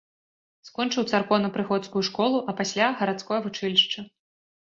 Скончыў царкоўнапрыходскую школу, а пасля гарадское вучылішча.